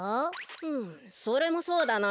うむそれもそうだな。